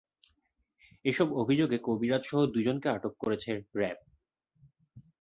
এসব অভিযোগে কবিরাজসহ দুজনকে আটক করেছে র্যাব।